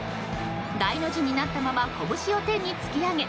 大の字になったまま拳を天に突き上げ